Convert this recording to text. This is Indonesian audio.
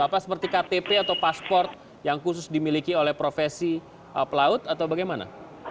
apa seperti ktp atau pasport yang khusus dimiliki oleh profesi pelaut atau bagaimana